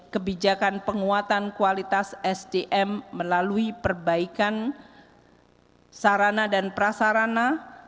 kebijakan penguatan kualitas sdm melalui perbaikan sarana dan prasarana